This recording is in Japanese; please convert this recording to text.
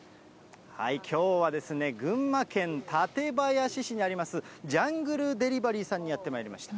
きょうは群馬県館林市にあります、ジャングルデリバリーさんにやってまいりました。